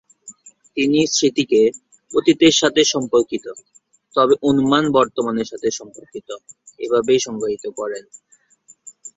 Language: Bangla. তিনি স্মৃতিকে "অতীতের সাথে সম্পর্কিত, তবে অনুমান বর্তমানের সাথে সম্পর্কিত"-এভাবেই সংজ্ঞায়িত করেন।